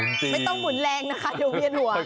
ไม่ต้องหมุนแรงนะคะเดี๋ยวเบี้ยดหัว